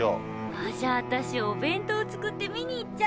あっじゃあ私お弁当作って見に行っちゃう！